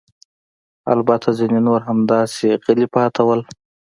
البته ځیني نور همداسې غلي پاتې ول.